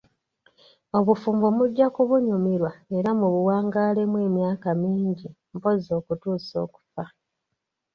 Obufumbo mujja kubunyumirwa era mu buwangaalemu emyaka mingi mpozzi okutuusa okufa.